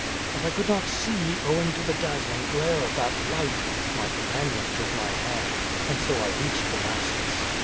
" As I could not see ov.^ing to the dazzling glare of that light, my companions took my hand, and so I reached Damascus.